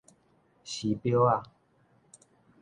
時錶仔